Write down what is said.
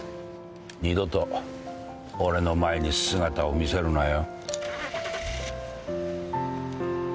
二度と俺の前に姿を見せるなよ。